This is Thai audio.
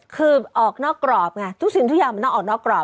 คือออกนอกกรอบไงทุกสิ่งทุกอย่างมันต้องออกนอกกรอบ